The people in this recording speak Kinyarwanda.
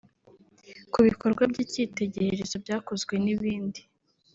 ku bikorwa by’icyitegererezo byakozwe n’ibindi”